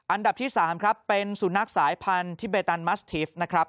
อันดับที่๓ครับเป็นสุนัขสายพันธุ์เบตันมัสทีฟนะครับ